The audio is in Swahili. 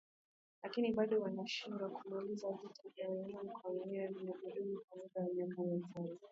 Lakini bado wanashindwa kumaliza vita vya wenyewe kwa wenyewe vilivyodumu kwa muda wa miaka mitano.